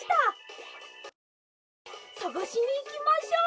さっそくさがしにいきましょう！